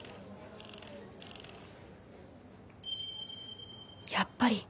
心の声やっぱり。